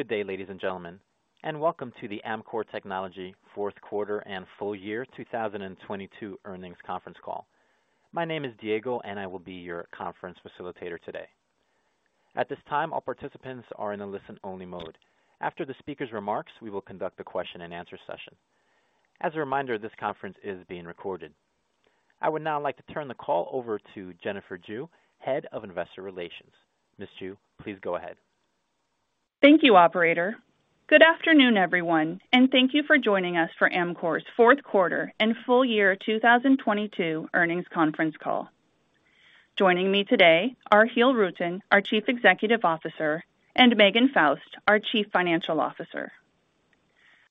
Good day, ladies and gentlemen, welcome to the Amkor Technology fourth quarter and full year 2022 earnings conference call. My name is Diego, I will be your conference facilitator today. At this time, all participants are in a listen-only mode. After the speaker's remarks, we will conduct a question-and-answer session. As a reminder, this conference is being recorded. I would now like to turn the call over to Jennifer Jue, head of investor relations. Miss Jue, please go ahead. Thank you, operator. Good afternoon, everyone, and thank you for joining us for Amkor's fourth quarter and full year 2022 earnings conference call. Joining me today are Giel Rutten, our Chief Executive Officer, and Megan Faust, our Chief Financial Officer.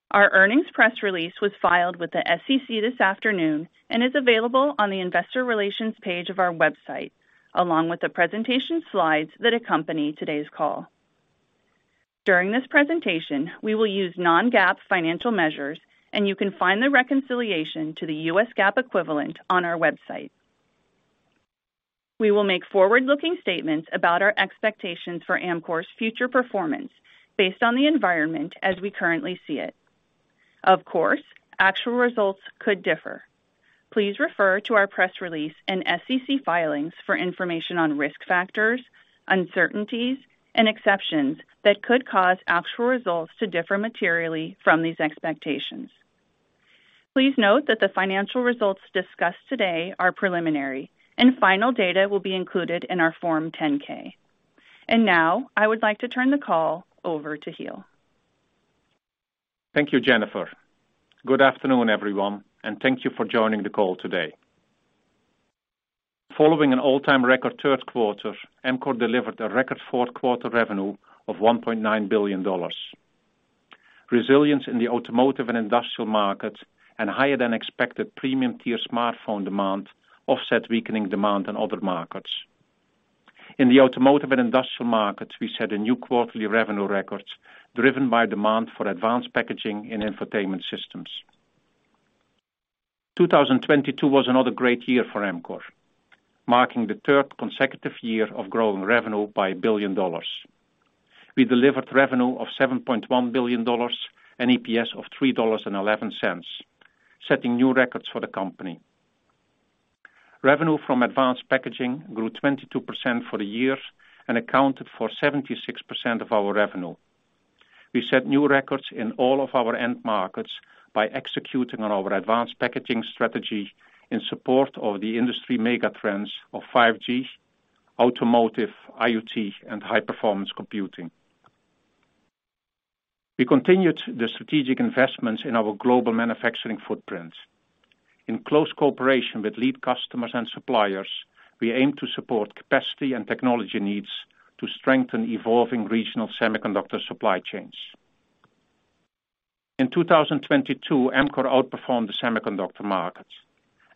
Our earnings press release was filed with the SEC this afternoon and is available on the investor relations page of our website, along with the presentation slides that accompany today's call. During this presentation, we will use non-GAAP financial measures, and you can find the reconciliation to the US GAAP equivalent on our website. We will make forward-looking statements about our expectations for Amkor's future performance based on the environment as we currently see it. Of course, actual results could differ. Please refer to our press release and SEC filings for information on risk factors, uncertainties, and exceptions that could cause actual results to differ materially from these expectations. Please note that the financial results discussed today are preliminary and final data will be included in our Form 10-K. Now I would like to turn the call over to Giel. Thank you, Jennifer. Good afternoon, everyone, and thank you for joining the call today. Following an all-time record third quarter, Amkor delivered a record fourth quarter revenue of $1.9 billion. Resilience in the automotive and industrial markets and higher than expected premium-tier smartphone demand offset weakening demand in other markets. In the automotive and industrial markets, we set new quarterly revenue records driven by demand for advanced packaging and infotainment systems. 2022 was another great year for Amkor, marking the third consecutive year of growing revenue by $1 billion. We delivered revenue of $7.1 billion and EPS of $3.11, setting new records for the company. Revenue from advanced packaging grew 22% for the year and accounted for 76% of our revenue. We set new records in all of our end markets by executing on our advanced packaging strategy in support of the industry mega trends of 5G, automotive, IoT, and high-performance computing. We continued the strategic investments in our global manufacturing footprint. In close cooperation with lead customers and suppliers, we aim to support capacity and technology needs to strengthen evolving regional semiconductor supply chains. In 2022, Amkor outperformed the semiconductor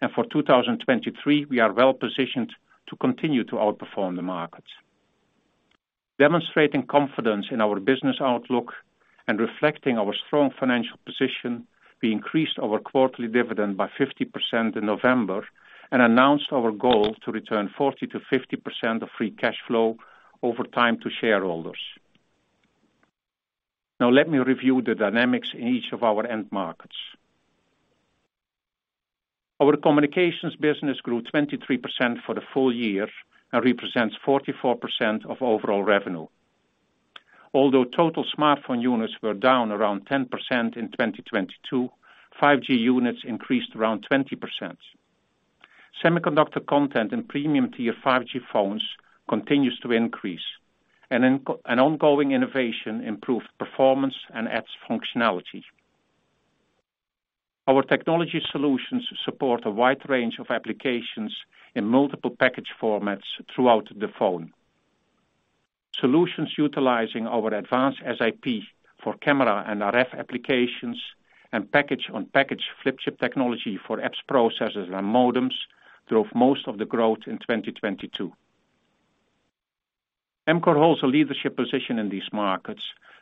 markets. For 2023, we are well positioned to continue to outperform the markets. Demonstrating confidence in our business outlook and reflecting our strong financial position, we increased our quarterly dividend by 50% in November and announced our goal to return 40%-50% of free cash flow over time to shareholders. Now, let me review the dynamics in each of our end markets. Our communications business grew 23% for the full year and represents 44% of overall revenue. Although total smartphone units were down around 10% in 2022, 5G units increased around 20%. Semiconductor content in premium tier 5G phones continues to increase and ongoing innovation improves performance and adds functionality. Our technology solutions support a wide range of applications in multiple package formats throughout the phone. Solutions utilizing our advanced SiP for camera and RF applications and package-on-package flip-chip technology for apps, processors, and modems drove most of the growth in 2022. Amkor holds a leadership position in these markets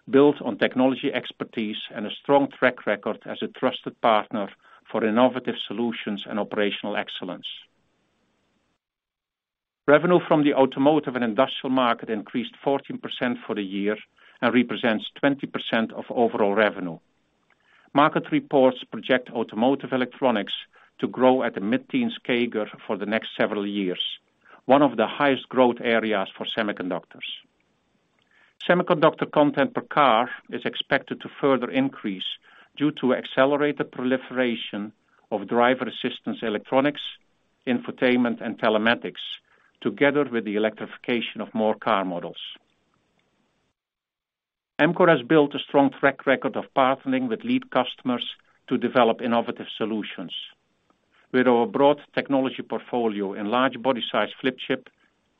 built on technology expertise and a strong track record as a trusted partner for innovative solutions and operational excellence. Revenue from the automotive and industrial market increased 14% for the year and represents 20% of overall revenue. Market reports project automotive electronics to grow at a mid-teens CAGR for the next several years, one of the highest growth areas for semiconductors. Semiconductor content per car is expected to further increase due to accelerated proliferation of driver assistance, electronics, infotainment, and telematics together with the electrification of more car models. Amkor has built a strong track record of partnering with lead customers to develop innovative solutions. With our broad technology portfolio in large body size flip chip,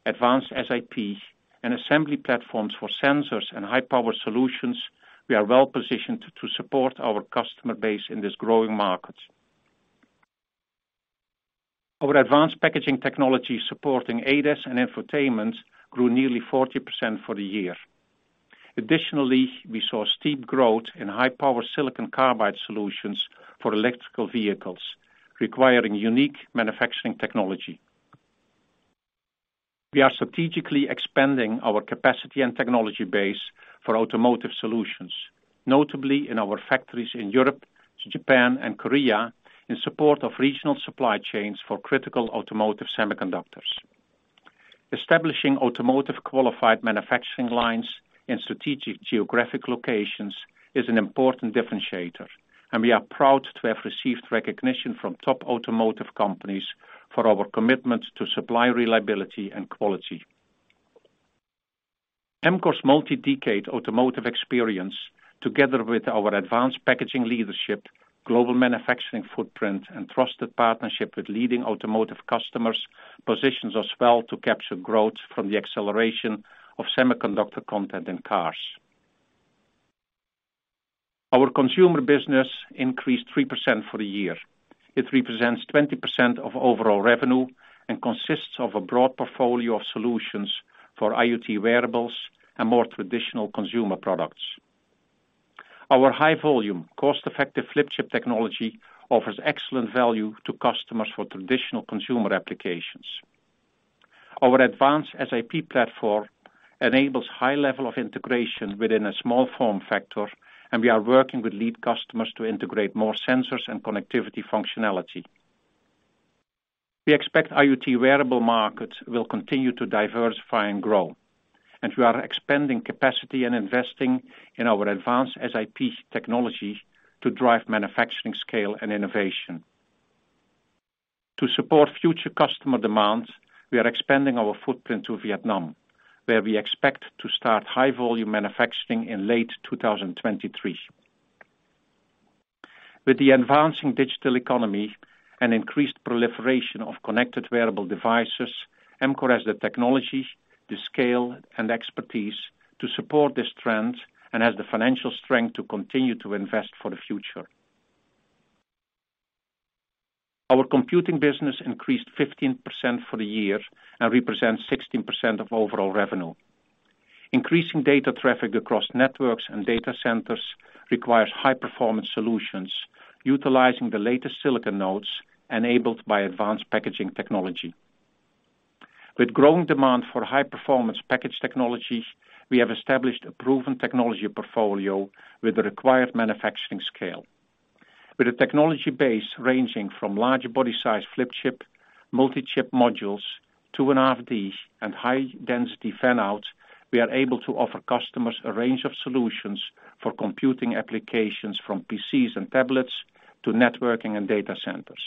advanced SiP, and assembly platforms for sensors and high-power solutions, we are well positioned to support our customer base in this growing market. Our advanced packaging technology supporting ADAS and infotainment grew nearly 40% for the year. Additionally, we saw steep growth in high-power silicon carbide solutions for electrical vehicles requiring unique manufacturing technology. We are strategically expanding our capacity and technology base for automotive solutions, notably in our factories in Europe to Japan and Korea, in support of regional supply chains for critical automotive semiconductors. Establishing automotive qualified manufacturing lines in strategic geographic locations is an important differentiator, and we are proud to have received recognition from top automotive companies for our commitment to supply reliability and quality. Amkor's multi-decade automotive experience, together with our advanced packaging leadership, global manufacturing footprint, and trusted partnership with leading automotive customers, positions us well to capture growth from the acceleration of semiconductor content in cars. Our consumer business increased 3% for the year. It represents 20% of overall revenue and consists of a broad portfolio of solutions for IoT wearables and more traditional consumer products. Our high volume, cost-effective Flip Chip technology offers excellent value to customers for traditional consumer applications. Our advanced SiP platform enables high level of integration within a small form factor, and we are working with lead customers to integrate more sensors and connectivity functionality. We expect IoT wearable markets will continue to diversify and grow, and we are expanding capacity and investing in our advanced SiP technology to drive manufacturing scale and innovation. To support future customer demands, we are expanding our footprint to Vietnam, where we expect to start high volume manufacturing in late 2023. With the advancing digital economy and increased proliferation of connected wearable devices, Amkor has the technology, the scale, and expertise to support this trend, and has the financial strength to continue to invest for the future. Our computing business increased 15% for the year and represents 16% of overall revenue. Increasing data traffic across networks and data centers requires high-performance solutions, utilizing the latest silicon nodes enabled by advanced packaging technology. With growing demand for high-performance package technologies, we have established a proven technology portfolio with the required manufacturing scale. With a technology base ranging from large body size flip chip, multi-chip modules, 2.5D, and high-density fan out, we are able to offer customers a range of solutions for computing applications from PCs and tablets to networking and data centers.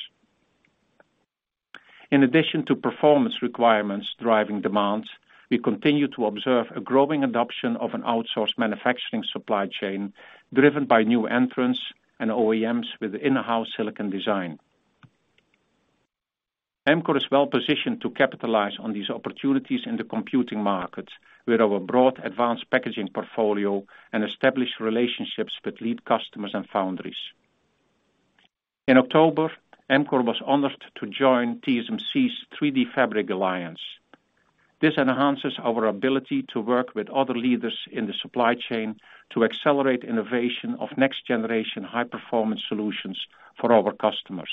In addition to performance requirements driving demand, we continue to observe a growing adoption of an outsourced manufacturing supply chain driven by new entrants and OEMs with in-house silicon design. Amkor is well-positioned to capitalize on these opportunities in the computing market with our broad advanced packaging portfolio and established relationships with lead customers and foundries. In October, Amkor was honored to join TSMC's 3DFabric Alliance. This enhances our ability to work with other leaders in the supply chain to accelerate innovation of next-generation high-performance solutions for our customers.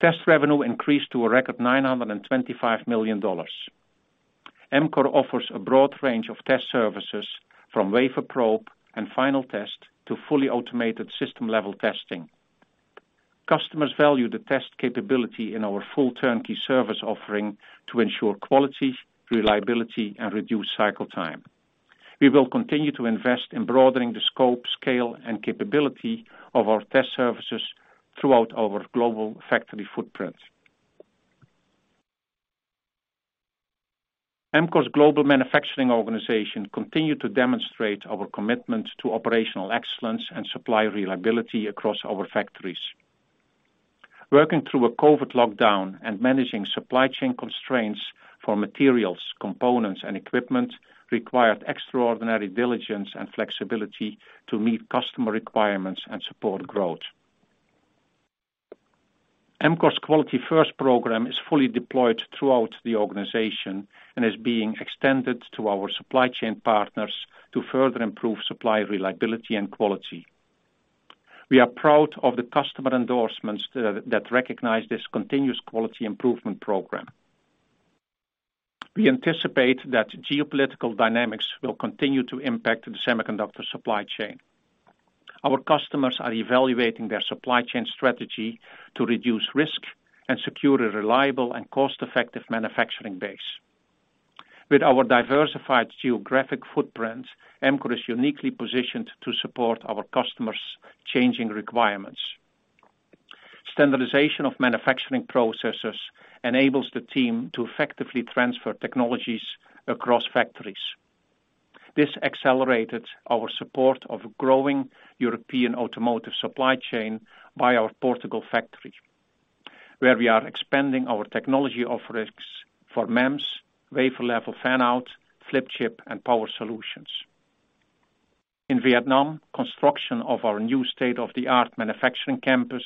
Test revenue increased to a record $925 million. Amkor offers a broad range of test services from wafer probe and final test to fully automated system-level testing. Customers value the test capability in our full turnkey service offering to ensure quality, reliability, and reduced cycle time. We will continue to invest in broadening the scope, scale, and capability of our test services throughout our global factory footprint. Amkor's global manufacturing organization continue to demonstrate our commitment to operational excellence and supply reliability across our factories. Working through a COVID lockdown and managing supply chain constraints for materials, components, and equipment required extraordinary diligence and flexibility to meet customer requirements and support growth. Amkor's Quality First program is fully deployed throughout the organization and is being extended to our supply chain partners to further improve supply reliability and quality. We are proud of the customer endorsements that recognize this continuous quality improvement program. We anticipate that geopolitical dynamics will continue to impact the semiconductor supply chain. Our customers are evaluating their supply chain strategy to reduce risk and secure a reliable and cost-effective manufacturing base. With our diversified geographic footprint, Amkor is uniquely positioned to support our customers' changing requirements. Standardization of manufacturing processes enables the team to effectively transfer technologies across factories. This accelerated our support of growing European automotive supply chain by our Portugal factory, where we are expanding our technology offerings for MEMS, Wafer-Level Fan-Out, flip chip, and Power Solutions. In Vietnam, construction of our new state-of-the-art manufacturing campus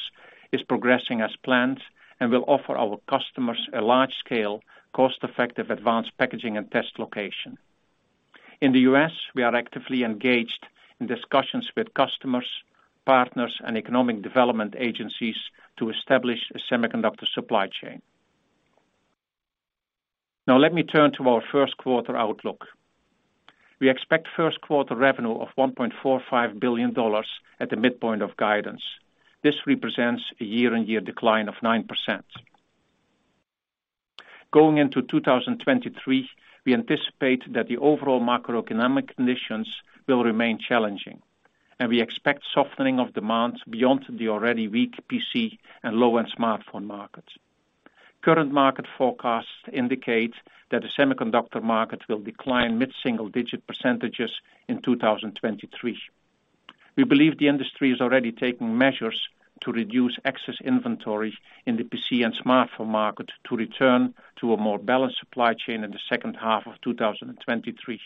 is progressing as planned and will offer our customers a large-scale, cost-effective advanced packaging and test location. In the U.S., we are actively engaged in discussions with customers, partners, and economic development agencies to establish a semiconductor supply chain. Now let me turn to our first quarter outlook. We expect first quarter revenue of $1.45 billion at the midpoint of guidance. This represents a year-on-year decline of 9%. Going into 2023, we anticipate that the overall macroeconomic conditions will remain challenging, and we expect softening of demands beyond the already weak PC and low-end smartphone markets. Current market forecasts indicate that the semiconductor market will decline mid-single digit % in 2023. We believe the industry is already taking measures to reduce excess inventory in the PC and smartphone market to return to a more balanced supply chain in the second half of 2023.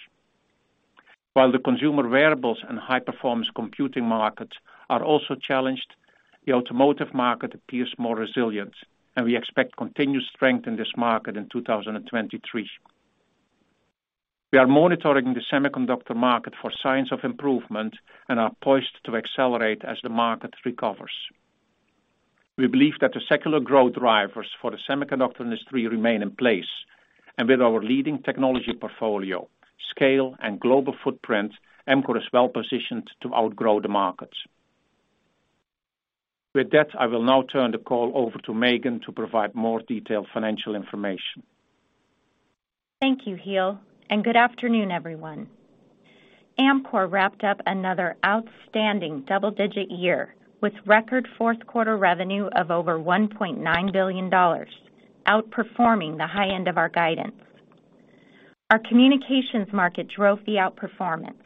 While the consumer wearables and high-performance computing markets are also challenged, the automotive market appears more resilient, and we expect continued strength in this market in 2023. We are monitoring the semiconductor market for signs of improvement and are poised to accelerate as the market recovers. We believe that the secular growth drivers for the semiconductor industry remain in place, and with our leading technology portfolio, scale, and global footprint, Amkor is well-positioned to outgrow the markets. With that, I will now turn the call over to Megan to provide more detailed financial information. Thank you, Giel, good afternoon, everyone. Amkor wrapped up another outstanding double-digit year with record fourth quarter revenue of over $1.9 billion, outperforming the high end of our guidance. Our communications market drove the outperformance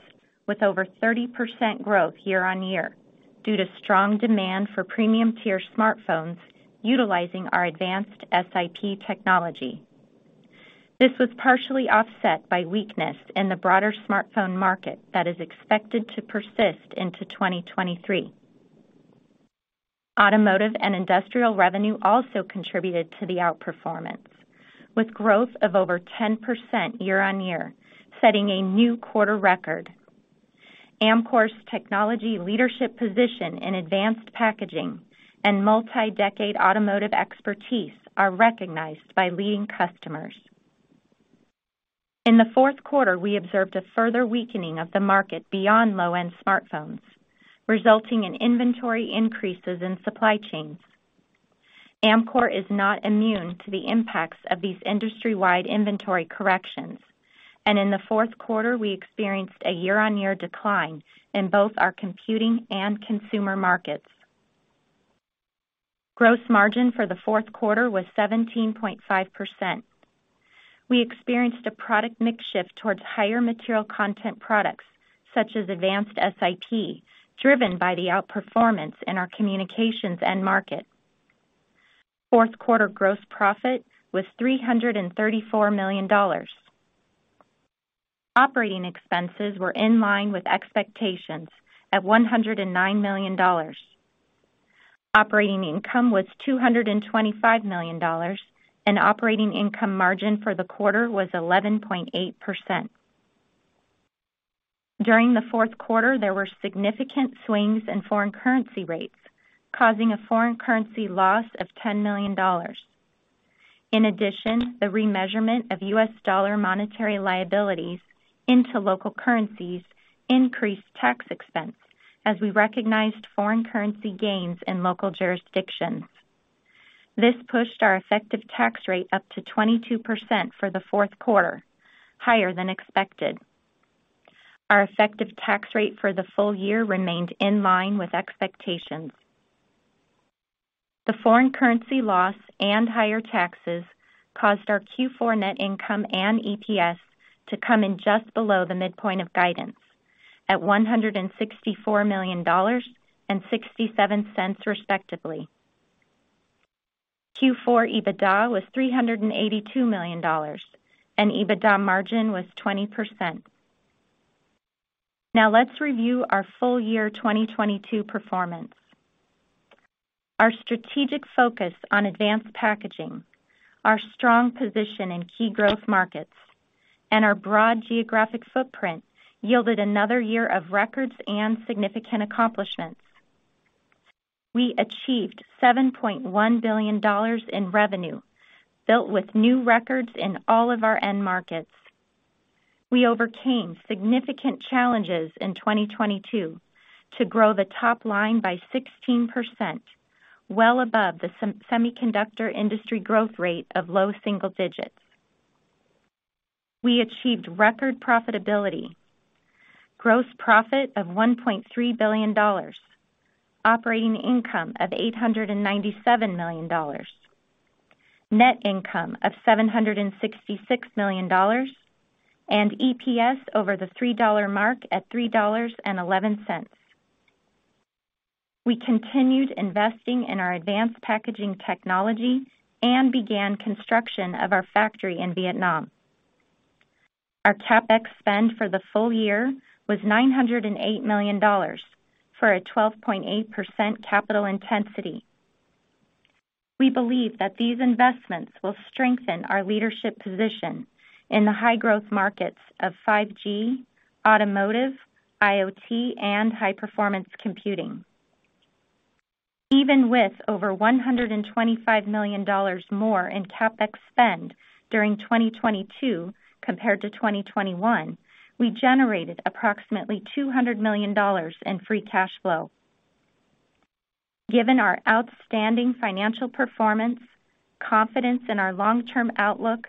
with over 30% growth year-on-year due to strong demand for premium-tier smartphones utilizing our advanced SiP technology. This was partially offset by weakness in the broader smartphone market that is expected to persist into 2023. Automotive and industrial revenue also contributed to the outperformance, with growth of over 10% year-on-year, setting a new quarter record. Amkor's technology leadership position in advanced packaging and multi-decade automotive expertise are recognized by leading customers. In the fourth quarter, we observed a further weakening of the market beyond low-end smartphones, resulting in inventory increases in supply chains. Amkor is not immune to the impacts of these industry-wide inventory corrections. In the fourth quarter, we experienced a year-on-year decline in both our computing and consumer markets. Gross margin for the fourth quarter was 17.5%. We experienced a product mix shift towards higher material content products such as advanced SiP, driven by the outperformance in our communications end market. Fourth quarter gross profit was $334 million. Operating expenses were in line with expectations at $109 million. Operating income was $225 million, and operating income margin for the quarter was 11.8%. During the fourth quarter, there were significant swings in foreign currency rates, causing a foreign currency loss of $10 million. In addition, the remeasurement of US dollar monetary liabilities into local currencies increased tax expense as we recognized foreign currency gains in local jurisdictions. This pushed our effective tax rate up to 22% for the fourth quarter, higher than expected. Our effective tax rate for the full year remained in line with expectations. The foreign currency loss and higher taxes caused our Q4 net income and EPS to come in just below the midpoint of guidance at $164 million and $0.67, respectively. Q4 EBITDA was $382 million, and EBITDA margin was 20%. Now let's review our full year 2022 performance. Our strategic focus on advanced packaging, our strong position in key growth markets, and our broad geographic footprint yielded another year of records and significant accomplishments. We achieved $7.1 billion in revenue, built with new records in all of our end markets. We overcame significant challenges in 2022 to grow the top line by 16%, well above the semiconductor industry growth rate of low single digits. We achieved record profitability, gross profit of $1.3 billion, operating income of $897 million, net income of $766 million, and EPS over the $3 mark at $3.11. We continued investing in our advanced packaging technology and began construction of our factory in Vietnam. Our CapEx spend for the full year was $908 million for a 12.8% capital intensity. We believe that these investments will strengthen our leadership position in the high growth markets of 5G, automotive, IoT, and high-performance computing. Even with over $125 million more in CapEx spend during 2022 compared to 2021, we generated approximately $200 million in free cash flow. Given our outstanding financial performance, confidence in our long-term outlook,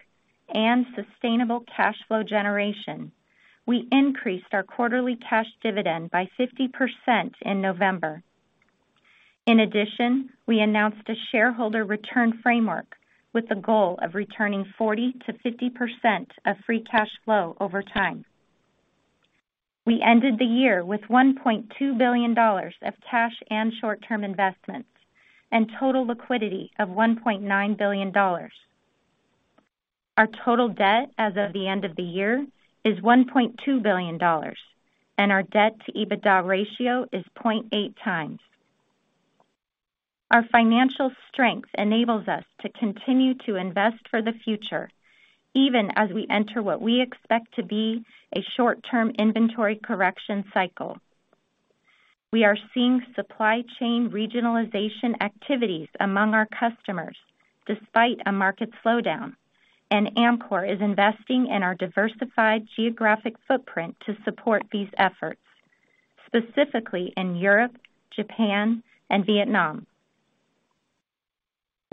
and sustainable cash flow generation, we increased our quarterly cash dividend by 50% in November. In addition, we announced a shareholder return framework with the goal of returning 40%-50% of free cash flow over time. We ended the year with $1.2 billion of cash and short-term investments, and total liquidity of $1.9 billion. Our total debt as of the end of the year is $1.2 billion, and our debt-to-EBITDA ratio is 0.8x. Our financial strength enables us to continue to invest for the future, even as we enter what we expect to be a short-term inventory correction cycle. We are seeing supply chain regionalization activities among our customers despite a market slowdown. Amkor is investing in our diversified geographic footprint to support these efforts, specifically in Europe, Japan, and Vietnam.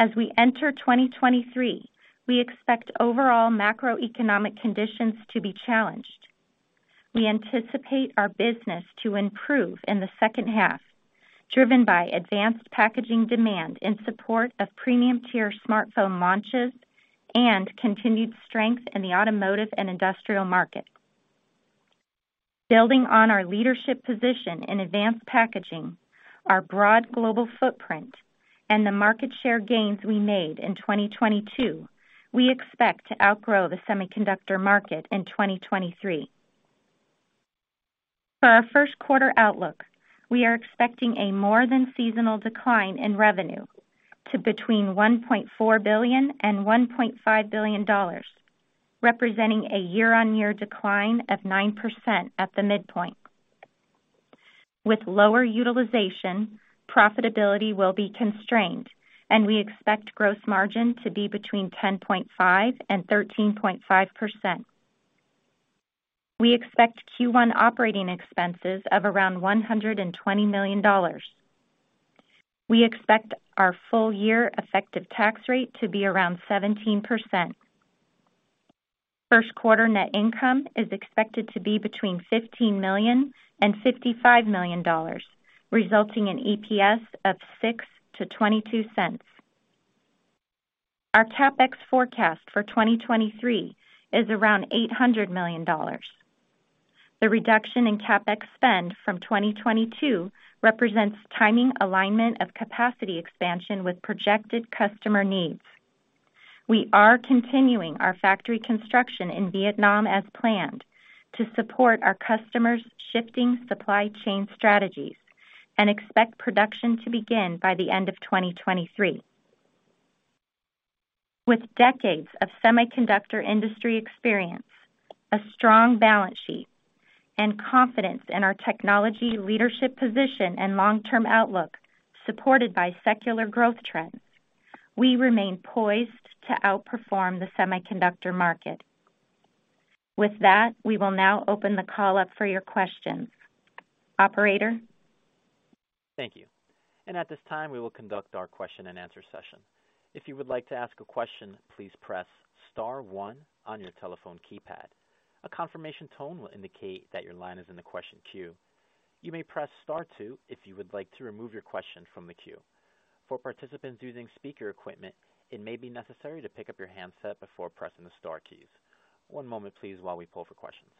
As we enter 2023, we expect overall macroeconomic conditions to be challenged. We anticipate our business to improve in the second half, driven by advanced packaging demand in support of premium-tier smartphone launches and continued strength in the automotive and industrial markets. Building on our leadership position in advanced packaging, our broad global footprint, and the market share gains we made in 2022, we expect to outgrow the semiconductor market in 2023. For our first quarter outlook, we are expecting a more than seasonal decline in revenue to between $1.4 billion-$1.5 billion, representing a year-on-year decline of 9% at the midpoint. With lower utilization, profitability will be constrained, and we expect gross margin to be between 10.5%-13.5%. We expect Q1 operating expenses of around $120 million. We expect our full-year effective tax rate to be around 17%. First quarter net income is expected to be between $15 million-$55 million, resulting in EPS of $0.06-$0.22. Our CapEx forecast for 2023 is around $800 million. The reduction in CapEx spend from 2022 represents timing alignment of capacity expansion with projected customer needs. We are continuing our factory construction in Vietnam as planned to support our customers' shifting supply chain strategies and expect production to begin by the end of 2023. With decades of semiconductor industry experience, a strong balance sheet, and confidence in our technology leadership position and long-term outlook supported by secular growth trends, we remain poised to outperform the semiconductor market. With that, we will now open the call up for your questions. Operator? Thank you. At this time, we will conduct our question-and-answer session. If you would like to ask a question, please press star one on your telephone keypad. A confirmation tone will indicate that your line is in the question queue. You may press star two if you would like to remove your question from the queue. For participants using speaker equipment, it may be necessary to pick up your handset before pressing the star keys. One moment, please, while we pull for questions.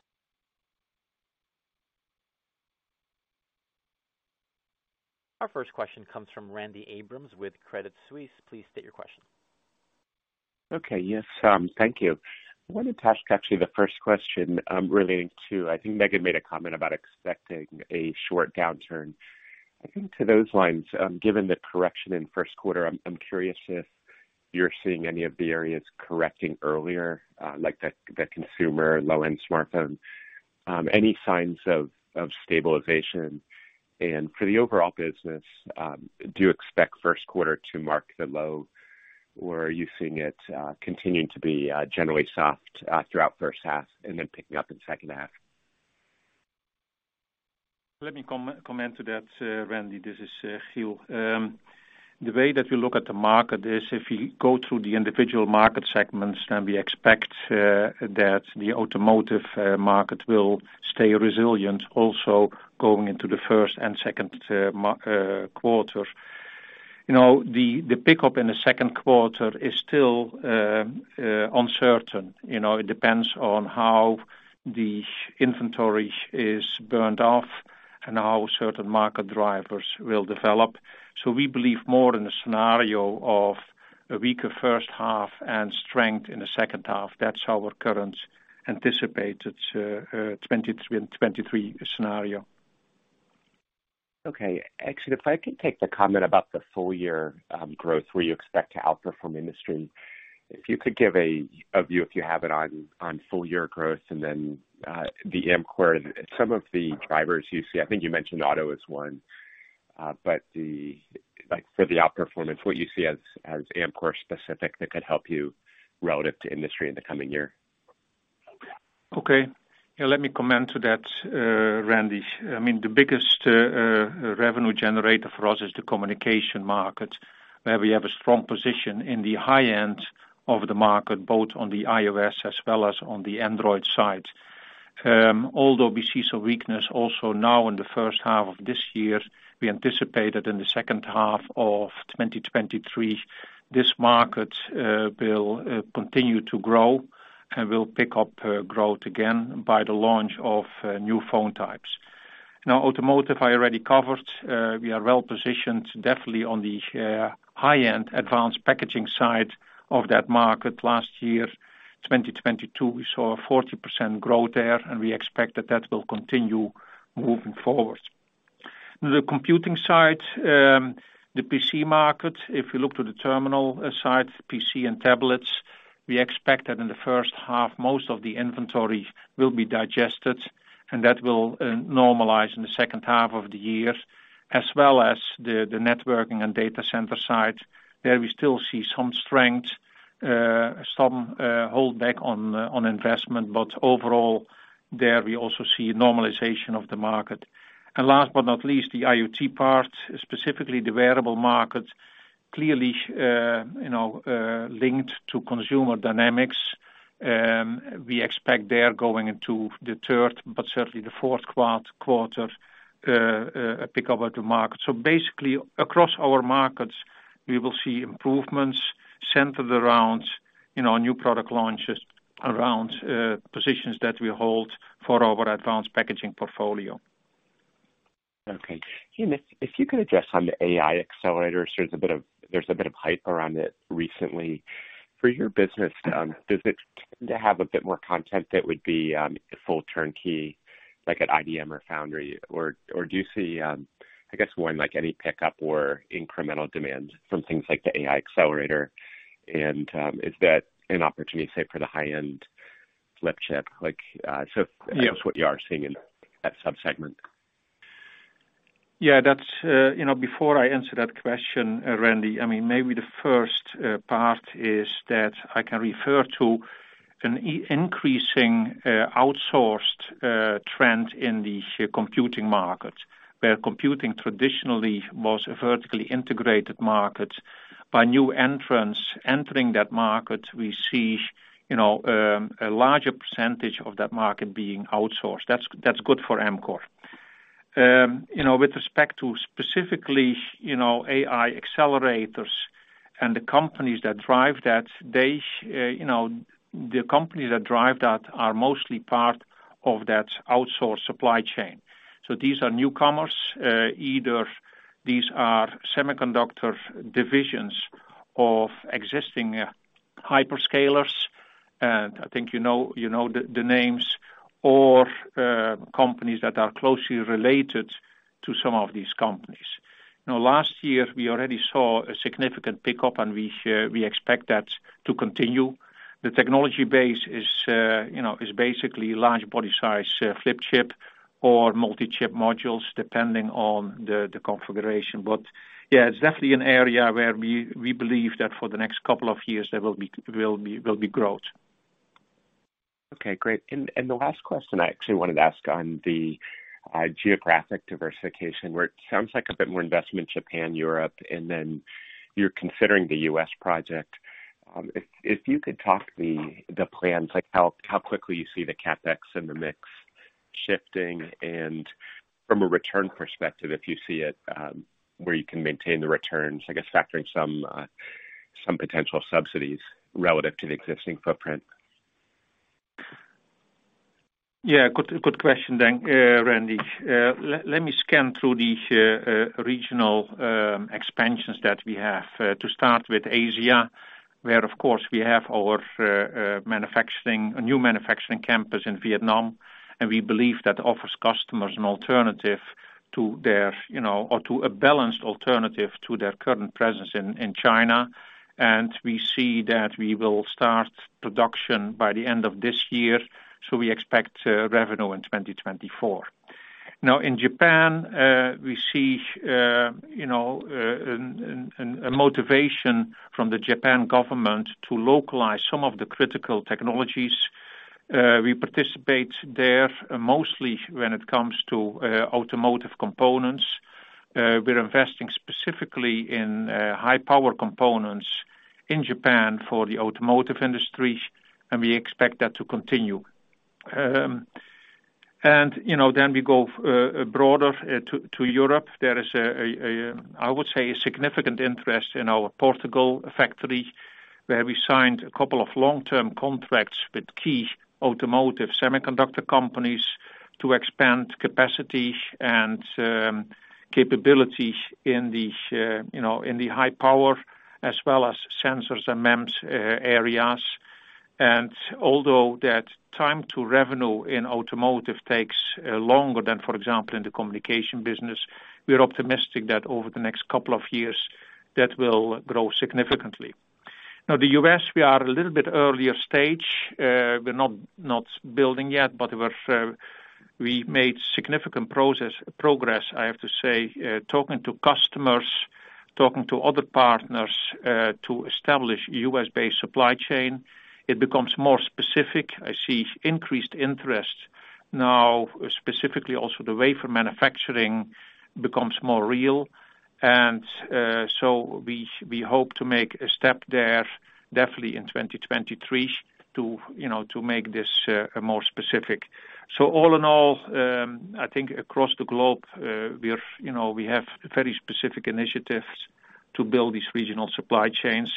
Our first question comes from Randy Abrams with Credit Suisse. Please state your question. Okay. Yes, thank you. I wanted to ask actually the first question relating to, I think Megan made a comment about expecting a short downturn. I think to those lines, given the correction in first quarter, I'm curious if you're seeing any of the areas correcting earlier, like the consumer low-end smartphone, any signs of stabilization? For the overall business, do you expect first quarter to mark the low, or are you seeing it continuing to be generally soft throughout first half and then picking up in second half? Let me comment to that, Randy. This is Giel. The way that we look at the market is if we go through the individual market segments, then we expect that the automotive market will stay resilient also going into the first and second quarter. You know, the pickup in the second quarter is still uncertain. You know, it depends on how the inventory is burned off and how certain market drivers will develop. We believe more in a scenario of a weaker first half and strength in the second half. That's our current anticipated 2023 scenario. Okay. Actually, if I could take the comment about the full year growth where you expect to outperform industry, if you could give a view, if you have it on full year growth and then the Amkor, some of the drivers you see. I think you mentioned auto as one, like for the outperformance, what you see as Amkor specific that could help you relative to industry in the coming year. Okay. Yeah, let me comment to that, Randy. I mean, the biggest revenue generator for us is the communication market, where we have a strong position in the high end of the market, both on the iOS as well as on the Android side. Although we see some weakness also now in the first half of this year, we anticipate that in the second half of 2023, this market will continue to grow and will pick up growth again by the launch of new phone types. Automotive I already covered. We are well-positioned definitely on the high-end advanced packaging side of that market. Last year, 2022, we saw a 40% growth there. We expect that that will continue moving forward. The computing side, the PC market, if we look to the terminal side, PC and tablets, we expect that in the first half, most of the inventory will be digested and that will normalize in the second half of the year. As well as the networking and data center side, there we still see some strength, some hold back on investment, but overall there we also see normalization of the market. Last but not least, the IoT part, specifically the wearable market, clearly, linked to consumer dynamics. We expect there going into the third but certainly the fourth quarter, a pickup at the market. Basically across our markets, we will see improvements centered around, new product launches around positions that we hold for our advanced packaging portfolio. Okay. If you could address on the AI accelerators, there's a bit of hype around it recently. For your business, does it tend to have a bit more content that would be full turnkey like an IBM or Foundry? Or do you see, I guess more like any pickup or incremental demand from things like the AI accelerator? Is that an opportunity, say, for the high-end Flip Chip? Like, Yes. just what you are seeing in that subsegment. Yeah, that's. You know, before I answer that question, Randy, I mean, maybe the first part is that I can refer to an increasing outsourced trend in the computing market. Where computing traditionally was a vertically integrated market, by new entrants entering that market, we see, a larger percentage of that market being outsourced. That's good for Amkor. You know, with respect to specifically, AI accelerators and the companies that drive that,, the companies that drive that are mostly part of that outsourced supply chain. These are newcomers. Either these are semiconductor divisions of existing hyperscalers, and I think the names, or companies that are closely related to some of these companies. Last year, we already saw a significant pickup, and we expect that to continue. The technology base is basically large body size, Flip Chip or multi-chip modules, depending on the configuration. Yeah, it's definitely an area where we believe that for the next couple of years, there will be growth. Okay, great. The last question I actually wanted to ask on the geographic diversification, where it sounds like a bit more investment Japan, Europe, and then you're considering the U.S. project. If you could talk the plans, like how quickly you see the CapEx and the mix shifting. From a return perspective, if you see it, where you can maintain the returns, I guess factoring some potential subsidies relative to the existing footprint. Yeah, good question, thank Randy. Let me scan through the regional expansions that we have. To start with Asia, where of course we have our manufacturing, a new manufacturing campus in Vietnam. We believe that offers customers an alternative to their, or to a balanced alternative to their current presence in China. We see that we will start production by the end of this year. We expect revenue in 2024. In Japan, we see, a motivation from the Japan government to localize some of the critical technologies. We participate there mostly when it comes to automotive components. We're investing specifically in high power components in Japan for the automotive industry. We expect that to continue. You know, then we go broader to Europe. There is, I would say, a significant interest in our Portugal factory, where we signed a couple of long-term contracts with key automotive semiconductor companies to expand capacity and capability in the, in the high power as well as sensors and MEMS areas. Although that time to revenue in automotive takes longer than, for example, in the communication business, we are optimistic that over the next couple of years, that will grow significantly. The U.S., we are a little bit earlier stage. We're not building yet, but we're, we made significant progress, I have to say, talking to customers, talking to other partners, to establish U.S.-based supply chain. It becomes more specific. I see increased interest now, specifically also the wafer manufacturing becomes more real. So we hope to make a step there definitely in 2023 to make this more specific. All in all, I think across the globe, we are, we have very specific initiatives to build these regional supply chains.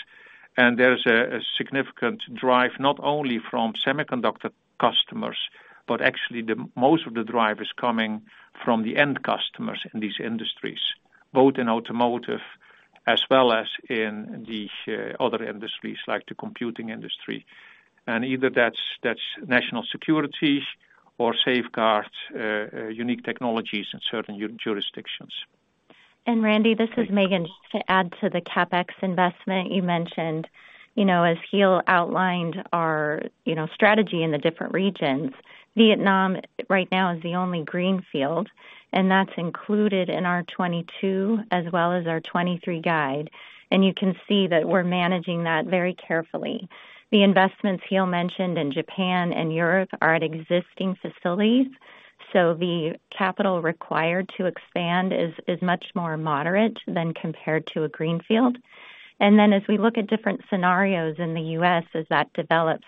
There is a significant drive, not only from semiconductor customers, but actually the most of the drive is coming from the end customers in these industries, both in automotive as well as in the other industries, like the computing industry. Either that's national security or safeguard unique technologies in certain jurisdictions. Randy, this is Megan. Just to add to the CapEx investment you mentioned, as Giel outlined our, strategy in the different regions, Vietnam right now is the only greenfield, and that's included in our 2022 as well as our 2023 guide. You can see that we're managing that very carefully. The investments Giel mentioned in Japan and Europe are at existing facilities, so the capital required to expand is much more moderate than compared to a greenfield. Then as we look at different scenarios in the U.S. as that develops,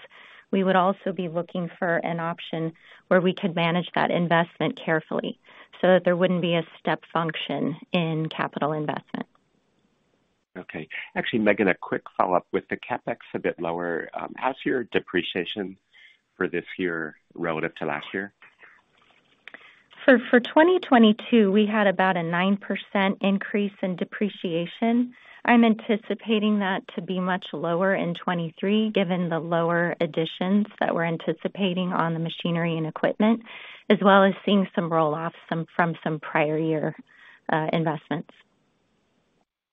we would also be looking for an option where we could manage that investment carefully so that there wouldn't be a step function in capital investment. Okay. Actually, Megan, a quick follow-up. With the CapEx a bit lower, how's your depreciation for this year relative to last year? For 2022, we had about a 9% increase in depreciation. I'm anticipating that to be much lower in 2023, given the lower additions that we're anticipating on the machinery and equipment, as well as seeing some roll off some, from some prior year investments.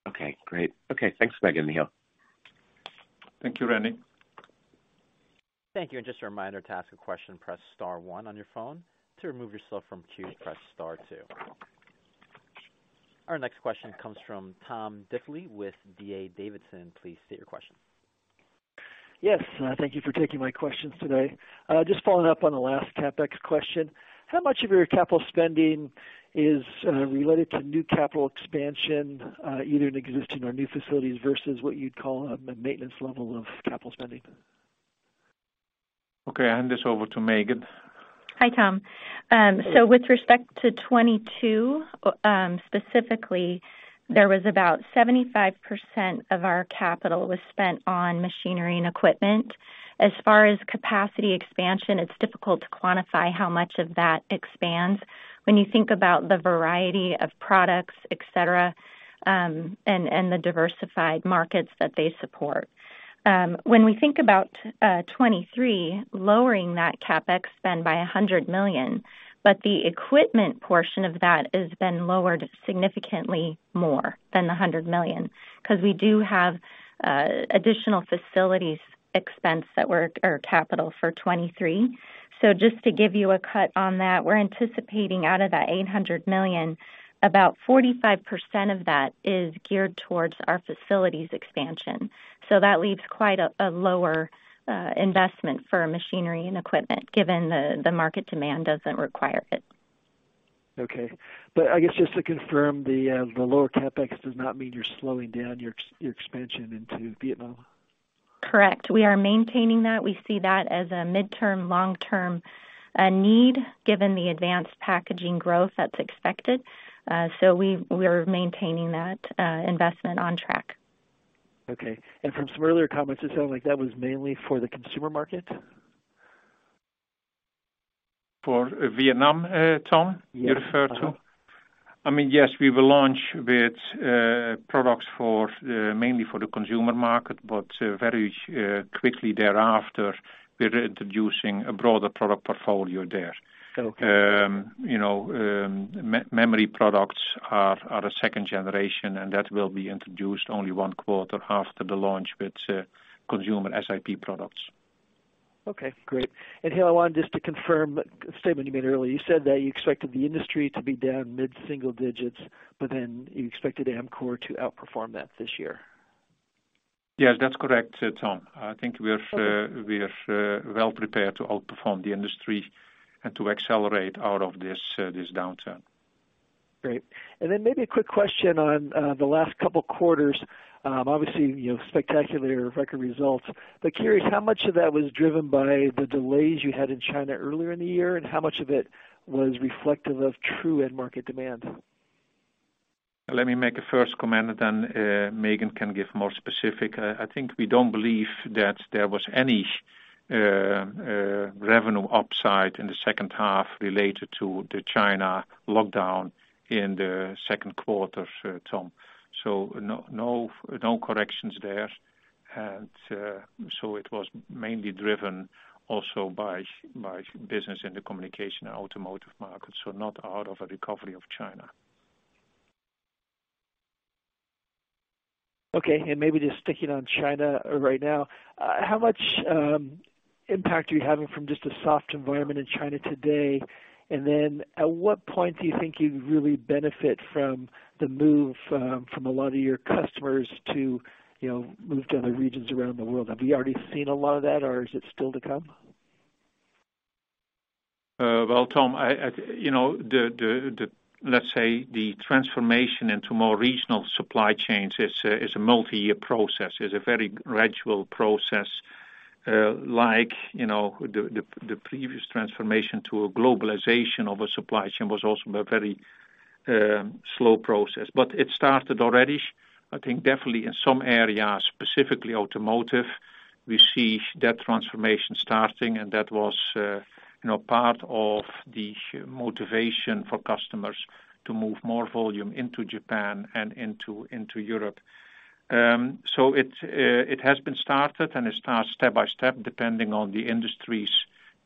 Okay, great. Okay, thanks, Megan and Giel. Thank you, Randy. Thank you. Just a reminder, to ask a question, press star one on your phone. To remove yourself from queue, press star two. Our next question comes from Tom Diffely with D.A. Davidson. Please state your question. Yes. Thank you for taking my questions today. Just following up on the last CapEx question, how much of your capital spending is related to new capital expansion, either in existing or new facilities versus what you'd call a maintenance level of capital spending? Okay. I'll hand this over to Megan. Hi, Tom. With respect to 2022, specifically, there was about 75% of our capital was spent on machinery and equipment. As far as capacity expansion, it's difficult to quantify how much of that expands when you think about the variety of products, et cetera, and the diversified markets that they support. When we think about 2023, lowering that CapEx spend by $100 million, but the equipment portion of that has been lowered significantly more than the $100 million, 'cause we do have additional facilities expense or capital for 2023. Just to give you a cut on that, we're anticipating out of that $800 million, about 45% of that is geared towards our facilities expansion. That leaves quite a lower investment for machinery and equipment, given the market demand doesn't require it. Okay. I guess just to confirm, the lower CapEx does not mean you're slowing down your expansion into Vietnam? Correct. We are maintaining that. We see that as a midterm, long-term, need, given the advanced packaging growth that's expected. We're maintaining that, investment on track. Okay. From some earlier comments, it sounded like that was mainly for the consumer market? For Vietnam, Tom, you refer to? Yes. Uh-huh. I mean, yes, we will launch with, products for, mainly for the consumer market, but, very, quickly thereafter, we're introducing a broader product portfolio there. Okay. You know, memory products are the second generation, and that will be introduced only one quarter after the launch with consumer SiP products. Okay, great. Giel, I wanted just to confirm a statement you made earlier. You said that you expected the industry to be down mid-single digits, you expected Amkor to outperform that this year. Yes, that's correct, Tom. I think we're well prepared to outperform the industry and to accelerate out of this downturn. Great. Maybe a quick question on the last couple quarters. Obviously, spectacular record results. Curious, how much of that was driven by the delays you had in China earlier in the year, and how much of it was reflective of true end market demand? Let me make a first comment, then Megan can give more specific. I think we don't believe that there was any revenue upside in the second half related to the China lockdown in the second quarter, Tom. No corrections there. It was mainly driven also by business in the communication automotive markets, not out of a recovery of China. Okay. maybe just sticking on China right now, how much impact are you having from just a soft environment in China today? At what point do you think you'd really benefit from the move, from a lot of your customers to, move to other regions around the world? Have you already seen a lot of that or is it still to come? Well, Tom, Let's say the transformation into more regional supply chains is a, is a multi-year process. Is a very gradual process, like, the previous transformation to a globalization of a supply chain was also a very slow process. It started already, I think, definitely in some areas, specifically automotive. We see that transformation starting, and that was, part of the motivation for customers to move more volume into Japan and into Europe. It's, it has been started, and it starts step by step depending on the industries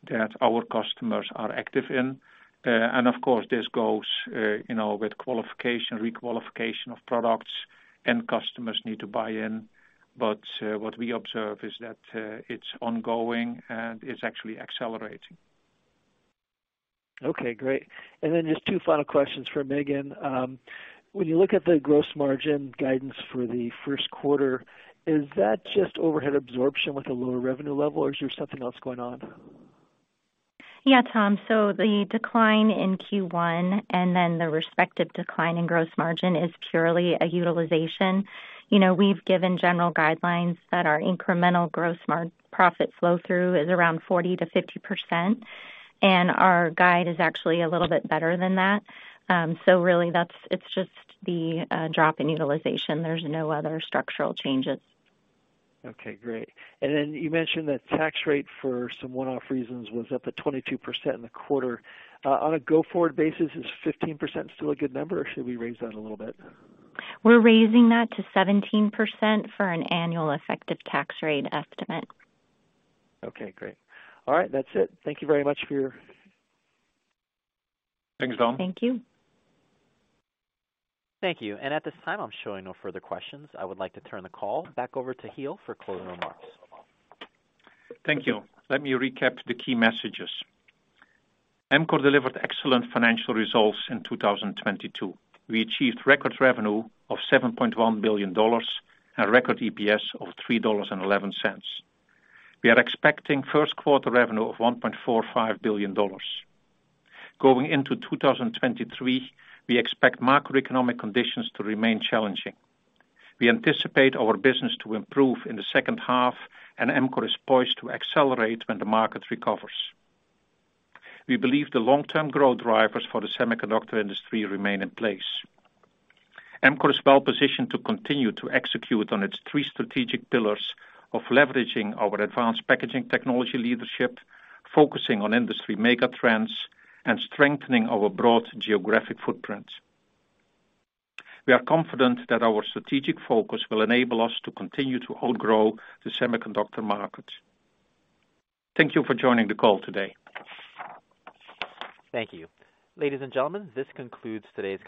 that our customers are active in. Of course, this goes, with qualification, requalification of products, end customers need to buy in. What we observe is that it's ongoing and it's actually accelerating. Okay, great. Then just two final questions for Megan. When you look at the gross margin guidance for the first quarter, is that just overhead absorption with a lower revenue level, or is there something else going on? Yeah, Tom. The decline in Q1 and then the respective decline in gross margin is purely a utilization. You know, we've given general guidelines that our incremental gross profit flow through is around 40%-50%, and our guide is actually a little bit better than that. Really it's just the drop in utilization. There's no other structural changes. Okay, great. You mentioned the tax rate for some one-off reasons was up at 22% in the quarter. On a go-forward basis, is 15% still a good number, or should we raise that a little bit? We're raising that to 17% for an annual effective tax rate estimate. Okay, great. All right. That's it. Thank you very much for your... Thanks, Tom. Thank you. Thank you. At this time, I'm showing no further questions. I would like to turn the call back over to Giel for closing remarks. Thank you. Let me recap the key messages. Amkor delivered excellent financial results in 2022. We achieved record revenue of $7.1 billion and record EPS of $3.11. We are expecting first quarter revenue of $1.45 billion. Going into 2023, we expect macroeconomic conditions to remain challenging. We anticipate our business to improve in the second half, and Amkor is poised to accelerate when the market recovers. We believe the long-term growth drivers for the semiconductor industry remain in place. Amkor is well positioned to continue to execute on its three strategic pillars of leveraging our advanced packaging technology leadership, focusing on industry mega trends, and strengthening our broad geographic footprint. We are confident that our strategic focus will enable us to continue to outgrow the semiconductor market. Thank you for joining the call today. Thank you. Ladies and gentlemen, this concludes today's conference.